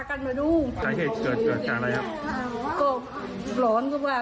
นักข่าวเราคุยกับป้าลินะครับป้าลิเนี่ยก็เล่าให้ฟังนะครับ